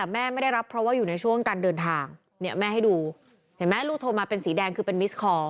ไม่ได้รับเพราะว่าอยู่ในช่วงการเดินทางแม่ให้ดูเห็นไหมลูกโทรมาเป็นสีแดงคือเป็นมิสคอล